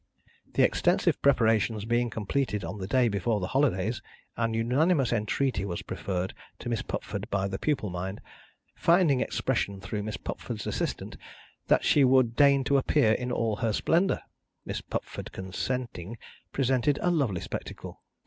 The extensive preparations being completed on the day before the holidays, an unanimous entreaty was preferred to Miss Pupford by the pupil mind finding expression through Miss Pupford's assistant that she would deign to appear in all her splendour. Miss Pupford consenting, presented a lovely spectacle.